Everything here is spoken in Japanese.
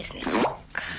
そっか。